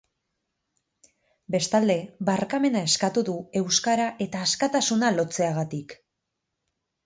Bestalde, barkamena eskatu du euskara eta askatasuna lotzeagatik.